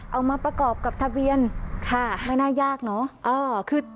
เอามาประกอบกับทะเบียนค่ะไม่น่ายากเนอะ